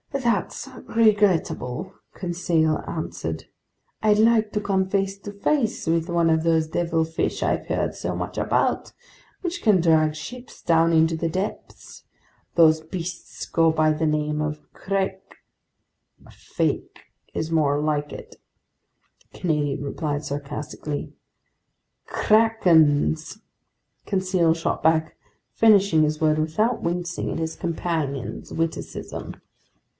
"That's regrettable," Conseil answered. "I'd like to come face to face with one of those devilfish I've heard so much about, which can drag ships down into the depths. Those beasts go by the name of krake—" "Fake is more like it," the Canadian replied sarcastically. "Krakens!" Conseil shot back, finishing his word without wincing at his companion's witticism.